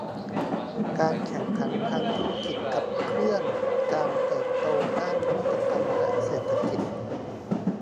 การแข่งขันทางธุรกิจขับเคลื่อนการเติบโตด้านนวัตกรรมและเศรษฐกิจ